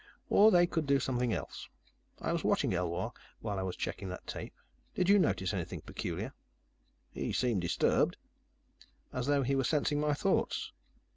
"Or, they could do something else. I was watching Elwar while I was checking that tape. Did you notice anything peculiar?" "He seemed disturbed." "As though he were sensing my thoughts?"